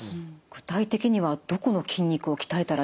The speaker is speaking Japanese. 具体的にはどこの筋肉を鍛えたらいいんでしょうか？